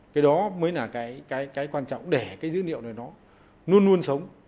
cái đó mới là cái quan trọng để cái dữ liệu này nó luôn luôn sống